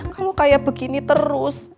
kalau kayak begini terus